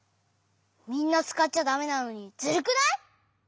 みんなつかっちゃだめなのにズルくない？